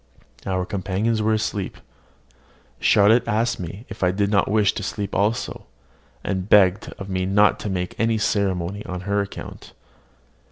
Our companions were asleep. Charlotte asked me if I did not wish to sleep also, and begged of me not to make any ceremony on her account.